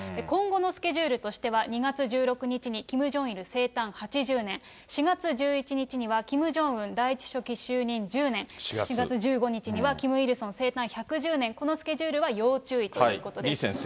今後のスケジュールとしては、２月１６日にキム・ジョンイル生誕８０年、４月１１日にはキム・ジョンウン第１書記就任１０年、４月１５日にはキム・イルソン生誕１１０年、このスケジュールは李先生。